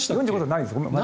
ないです。